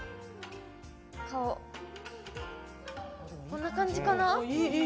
こんな感じかな？